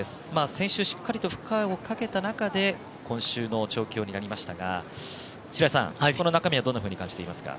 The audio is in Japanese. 先週しっかりと負荷をかけた中で今週の調教になりましたが白井さん、この中身はどんなふうに感じていますか？